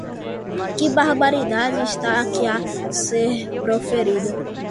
Que barbaridade está aqui a ser proferida!